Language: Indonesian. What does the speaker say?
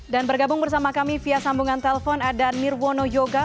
dan bergabung bersama kami via sambungan telepon ada nirwono yoga